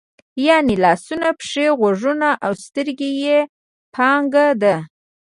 یعنې لاسونه، پښې، غوږونه او سترګې یې پانګه ده.